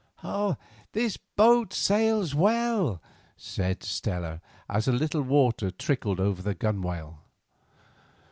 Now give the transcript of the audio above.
"This boat sails well," said Stella, as a little water trickled over the gunwale.